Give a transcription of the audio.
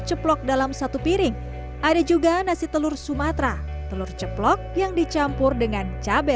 ceplok dalam satu piring ada juga nasi telur sumatera telur ceplok yang dicampur dengan cabai